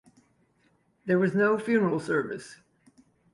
There was no funeral service.